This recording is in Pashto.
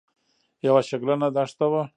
یوه شګلنه دښته وه.